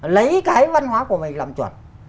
lấy cái văn hóa của mình làm chuẩn